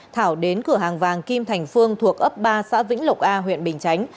thảo đến cửa hàng vàng kim thành phương thuộc ấp ba xã vĩnh lộc a huyện bình chánh